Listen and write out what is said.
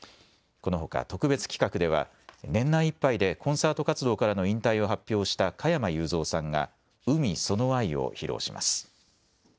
このほか特別企画では年内いっぱいでコンサート活動からの引退を発表した加山雄三さんが海その愛を披露します。